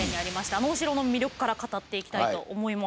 あのお城の魅力から語っていきたいと思います。